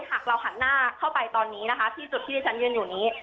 หากเราหันหน้าเข้าไปตอนนี้นะคะที่จุดที่ที่ฉันยืนอยู่นี้